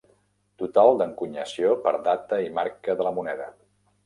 Total d'encunyació per data i marca de la moneda.